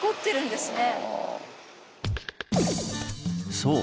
そう！